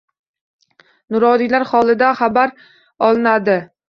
Nuroniylar holidan xabar olindi